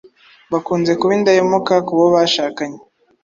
bakunze kuba indahemuka ku bo bashakanye.